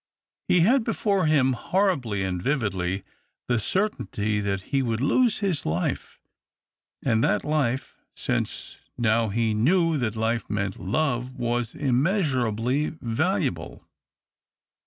He had before him, horribly and vividly, the certainty that he would lose his life, and that life — since now he knew that life meant love — was immeasurably valuable.